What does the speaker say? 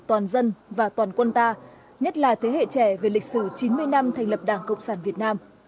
toàn dân và toàn quân ta nhất là thế hệ trẻ về lịch sử chín mươi năm thành lập đảng cộng sản việt nam